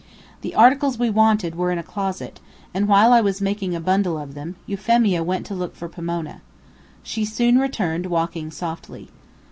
The articles we wanted were in a closet, and while I was making a bundle of them, Euphemia went to look for Pomona. She soon returned, walking softly.